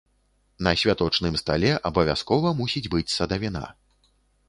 На святочным стале абавязкова мусіць быць садавіна.